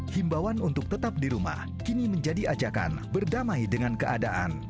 himbawan untuk tetap di rumah kini menjadi ajakan berdamai dengan keadaan